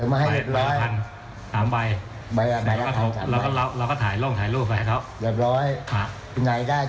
เอามาให้อยู่หมายแล้ว๓ใบถ่ายร่วงถ่ายรูปเลย